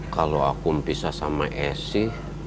kalau aku mempisah sama esy